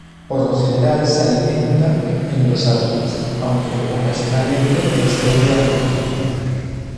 Por lo general se alimenta en los árboles, aunque ocasionalmente desciende al terreno.